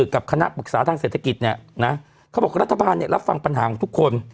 กับคณะปรึกษาทางเศรษฐกิจเนี่ยนะเขาบอกรัฐบาลเนี่ยรับฟังปัญหาของทุกคน